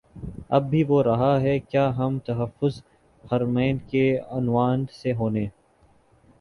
اب بھی ہو رہاہے کیا ہم تحفظ حرمین کے عنوان سے ہونے